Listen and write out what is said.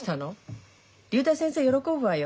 竜太先生喜ぶわよ。